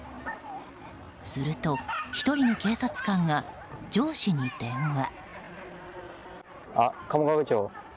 すると１人の警察官が上司に電話。